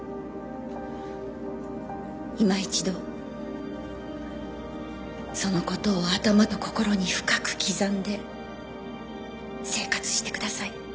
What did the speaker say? いま一度そのことを頭と心に深く刻んで生活してください。